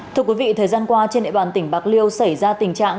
thưa quý vị thời gian qua trên địa bàn tỉnh bạc liêu xảy ra tình trạng